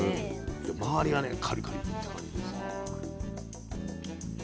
で周りがねカリカリッて感じです。